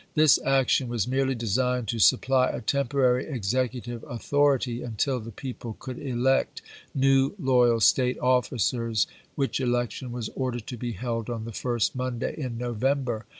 This action was merely designed to supply a temporary executive authority until the people could elect ^onrna\?° ncw loyal State officers, which election was ordered V '30." ' to be held on the first Monday in November.